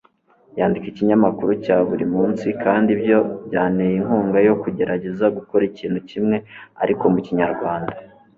Yandika ikinyamakuru cya buri munsi kandi ibyo byanteye inkunga yo kugerageza gukora ikintu kimwe ariko mukinyarwanda